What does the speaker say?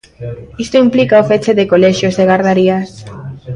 Isto implica o feche de colexios e gardarías.